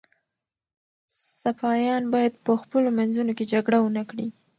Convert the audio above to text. سپایان باید په خپلو منځونو کي جګړه ونه کړي.